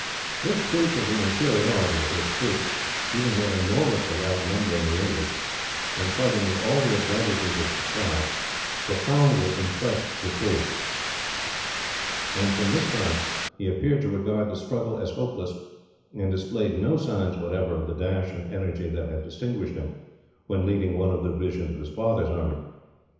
This proof of the inferiority of his troops, even when enormously outnumbering the English, and fighting with all the advantages of surprise, profoundly impressed Tippoo, and from this time he appeared to regard the struggle as hopeless, and displayed no signs whatever of the dash and energy that had distinguished him, when leading one of the divisions of his father's army.